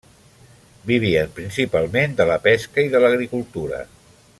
Vivien principalment de la pesca i de l'agricultura.